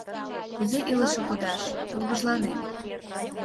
Кузе илыше кодаш, тургыжланем.